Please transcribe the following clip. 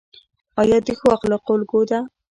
انا د ښو اخلاقو الګو ده